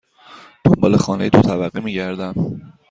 دنبال خانه دو طبقه می گردم.